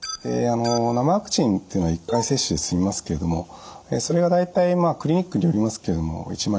生ワクチンっていうのは１回接種で済みますけれどもそれが大体クリニックによりますけれども１万円程度。